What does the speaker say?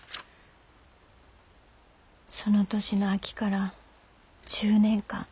その年の秋から１０年間。